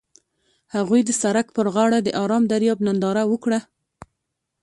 هغوی د سړک پر غاړه د آرام دریاب ننداره وکړه.